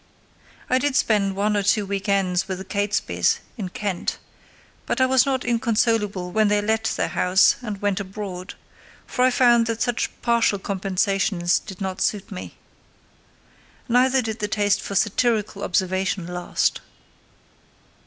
I did spend one or two week ends with the Catesbys in Kent; but I was not inconsolable when they let their house and went abroad, for I found that such partial compensations did not suit me. Neither did the taste for satirical observation last.